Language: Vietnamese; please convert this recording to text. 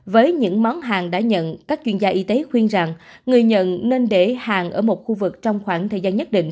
với những món hàng đã nhận các chuyên gia y tế khuyên rằng người nhận nên để hàng ở một khu vực trong khoảng thời gian nhất định